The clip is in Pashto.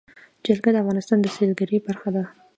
جلګه د افغانستان د سیلګرۍ برخه ده.